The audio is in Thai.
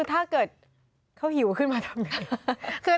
ถ้าเกิดเขาหิวเข้ามาไหน